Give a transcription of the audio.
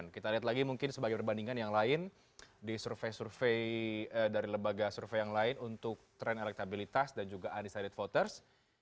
kita lihat lagi mungkin sebagai perbandingan yang lain di survei survei dari lembaga survei yang lain untuk tren elektabilitas dan juga undecided voters